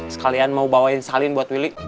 sekalian mau bawain salin buat willy